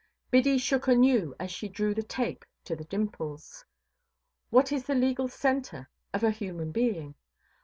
Biddy shook anew, as she drew the tape to the dimples. What is the legal centre of a human being?